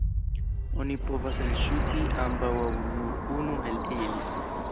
Oni povas elŝuti ambaŭ aŭ nur unu el ili.